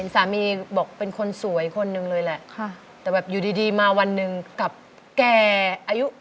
สามีบอกเป็นคนสวยคนหนึ่งเลยแหละแต่แบบอยู่ดีมาวันหนึ่งกับแก่อายุ